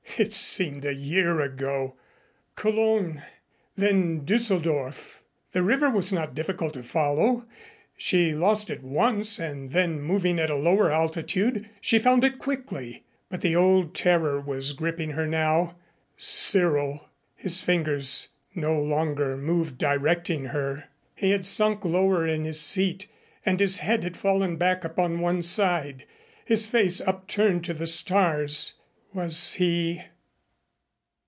It seemed a year ago. Cologne then Dusseldorf. The river was not difficult to follow. She lost it once and then moving at a lower altitude she found it quickly. But the old terror was gripping her now. Cyril! His fingers no longer moved directing her. He had sunk lower in his seat and his head had fallen back upon one side, his face upturned to the stars. Was he